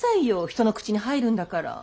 人の口に入るんだから。